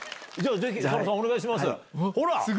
ぜひ佐野さんお願いします。